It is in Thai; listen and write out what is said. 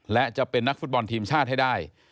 และจะเป็นนักฟุตบอลทีมชาติให้ได้